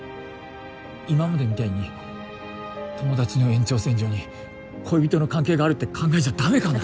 今までみたいに友達の延長線上に恋人の関係があるって考えちゃダメかな？